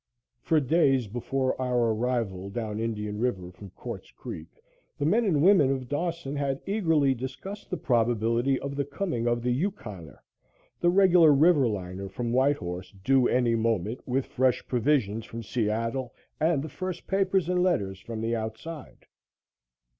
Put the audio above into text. For days before our arrival down Indian River from Quartz Creek, the men and women of Dawson had eagerly discussed the probability of the coming of the Yukoner, the regular river liner from White Horse due any moment, with fresh provisions from Seattle and the first papers and letters from "the outside."